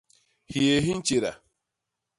Hyéé hi ntjéda.